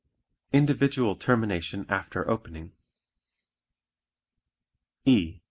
Individual Termination After Opening E.